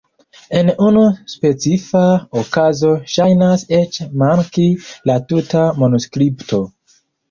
En unu specifa okazo ŝajnas eĉ manki la tuta manuskripto!